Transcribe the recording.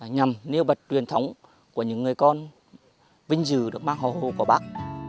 nhằm nêu bật truyền thống của những người con vinh dự được mang hồ hồ của bác